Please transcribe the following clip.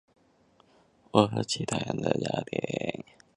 我和其他人所想到有关球会的事情就是亚维的家庭。